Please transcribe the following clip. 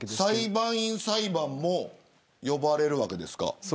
裁判員裁判も呼ばれるわけですか。